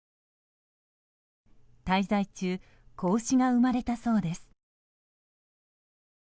滞在中子牛が生まれたそうです。